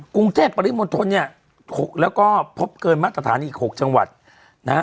กรุงเทพปริมณฑลเนี่ยแล้วก็พบเกินมาตรฐานอีก๖จังหวัดนะฮะ